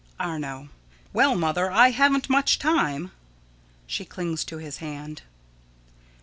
_] Arno: Well, Mother, I haven't much time. [_She clings to his hand.